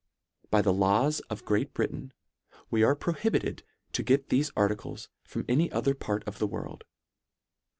By the laws of Great Britain we are prohibited to get thefe articles from any other part of the world.